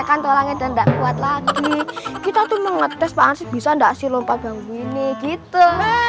ya tekan tolongnya dan enggak kuat lagi kita tuh mengetes pak bisa ndak sih lompat bambu ini gitu